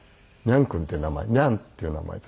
ニャン君っていう名前ニャンっていう名前です。